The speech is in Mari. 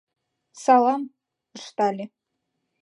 — Салам! — ыштале.